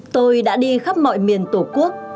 tôi đã đi khắp mọi miền tổ quốc